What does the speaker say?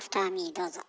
どうぞ。